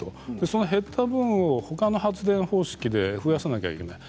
その減った分をほかの発電方式で増やさなければいけない。